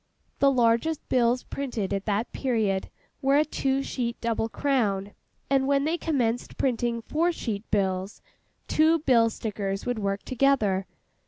The largest bills printed at that period were a two sheet double crown; and when they commenced printing four sheet bills, two bill stickers would work together.